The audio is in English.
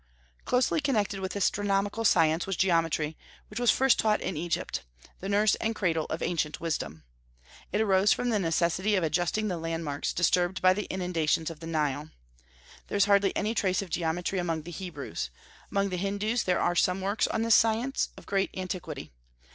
Closely connected with astronomical science was geometry, which was first taught in Egypt, the nurse and cradle of ancient wisdom. It arose from the necessity of adjusting the landmarks disturbed by the inundations of the Nile. There is hardly any trace of geometry among the Hebrews. Among the Hindus there are some works on this science, of great antiquity.